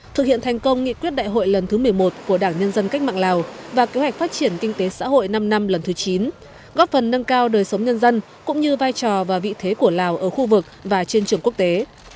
thực hiện thành công nghị quyết đại hội lần thứ một mươi một của đảng nhân dân cách mạng lào và kế hoạch phát triển kinh tế xã hội năm năm lần thứ chín góp phần nâng cao đời sống nhân dân cũng như vai trò và vị thế của lào ở khu vực và trên trường quốc tế